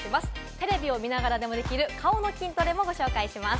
テレビを見ながらできる顔の筋トレもご紹介します。